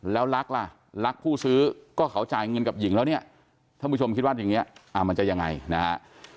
แล้วรักล่ะรักผู้ซื้อก็เขาจ่ายเงินกับหญิงแล้วเนี่ยท่านผู้ชมคิดว่าอย่างนี้มันจะยังไงนะฮะ